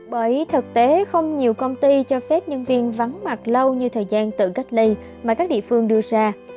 bởi thực tế không nhiều công ty cho phép nhân viên vắng mặt lâu như thời gian tự cách ly mà các địa phương đưa ra